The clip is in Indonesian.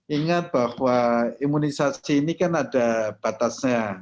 ingat bahwa imunisasi ini kan ada batasnya